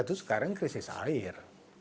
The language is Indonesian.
itu sekarang krisis air